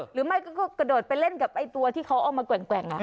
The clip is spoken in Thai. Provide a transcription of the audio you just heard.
หรือไม่ก็กระโดดไปเล่นกับไอ้ตัวที่เขาเอามาแกว่ง